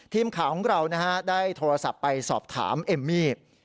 ทีมข่าวของเราได้โทรศัพท์ไปสอบถามเอมมี่